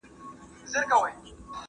د مطالعې یوه بله ګټه د خلاقیت وده ده.